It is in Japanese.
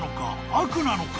悪なのか？］